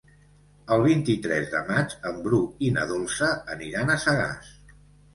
El vint-i-tres de maig en Bru i na Dolça aniran a Sagàs.